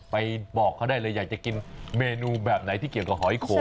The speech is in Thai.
บอกเขาได้เลยอยากจะกินเมนูแบบไหนที่เกี่ยวกับหอยโขง